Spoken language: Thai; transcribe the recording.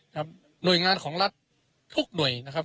หน่วยงานของรัฐทุกหน่วยนะครับ